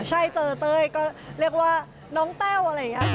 ใช่เจอเต้ยก็เรียกว่าน้องแต้วอะไรอย่างนี้ค่ะ